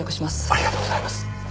ありがとうございます。